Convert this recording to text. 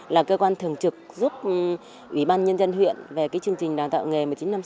là cơ quan thường trực giúp ủy ban nhân dân huyện về cái chương trình đào tạo nghề một nghìn chín trăm năm mươi sáu